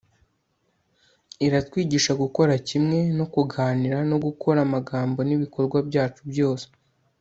iratwigisha gukora kimwe no kuganira; no gukora amagambo n'ibikorwa byacu byose